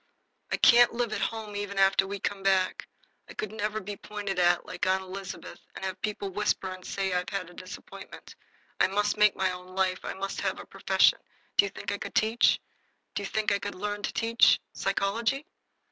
"I can't live at home even after we come back. I could never be pointed at, like Aunt Elizabeth, and have people whisper and say I've had a disappointment. I must make my own life. I must have a profession. Do you think I could teach? Do you think I could learn to teach psychology?"